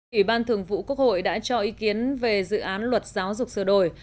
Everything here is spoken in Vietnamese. ủy ban thường vụ quốc hội đã cho ý kiến về dự án luật giáo dục sửa đổi